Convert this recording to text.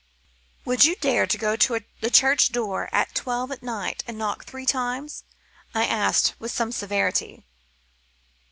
"Would you dare to go to the church door at twelve at night and knock three times?" I asked, with some severity.